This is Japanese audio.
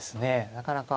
なかなか。